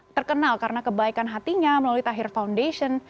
terkenal karena kebaikan hatinya melalui tahir foundation